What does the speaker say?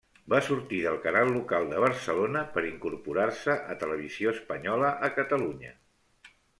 Va sortir del canal local de Barcelona per incorporar-se a Televisió Espanyola a Catalunya.